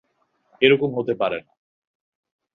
এরকম হতে পারে না।